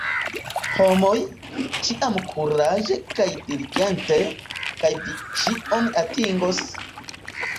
Homoj, ĉiam kuraĝe kaj diligente, kaj vi ĉion atingos!